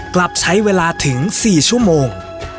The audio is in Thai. กลับใช้เวลาถึง๔ชั่วโมง